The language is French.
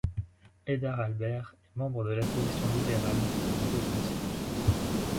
Hédard Albert est membre de l'Association libérale du Nouveau-Brunswick.